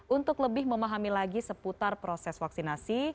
untuk lebih memahami lagi seputar proses vaksinasi